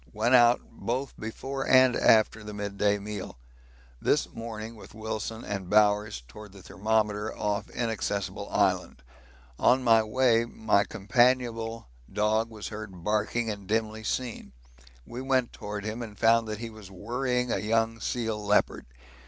Went out both before and after the mid day meal. This morning with Wilson and Bowers towards the thermometer off Inaccessible Island. On the way my companionable dog was heard barking and dimly seen we went towards him and found that he was worrying a young sea leopard.